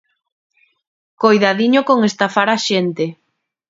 Coidadiño con estafar a xente.